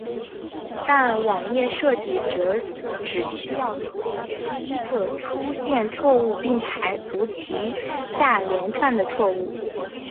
但是网页设计师则只需要处理第一个出现的错误并排除余下连串的错误。